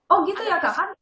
oh gitu ya